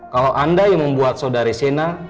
kalau anda yang membuat saudari sina